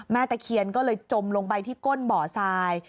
ตะเคียนก็เลยจมลงไปที่ก้นบ่อทราย